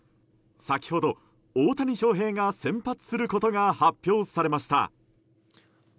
先ほど大谷翔平が先発することが発表されました。